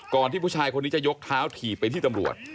ที่ผู้ชายคนนี้จะยกเท้าถีบไปที่ตำรวจ